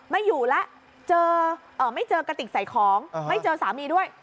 ไม่อยู่แล้วเจอไม่เจอกระติกใส่ของไม่เจอสามีด้วย